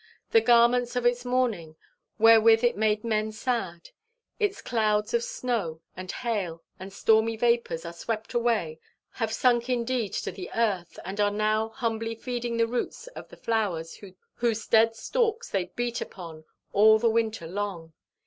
The garments of its mourning, wherewith it made men sad, its clouds of snow and hail and stormy vapours, are swept away, have sunk indeed to the earth, and are now humbly feeding the roots of the flowers whose dead stalks they beat upon all the winter long.